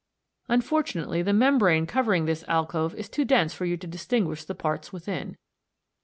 Unfortunately the membrane covering this alcove is too dense for you to distinguish the parts within.